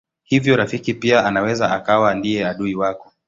Hivyo rafiki pia anaweza akawa ndiye adui wako.